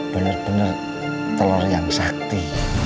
bener bener telur yang sakti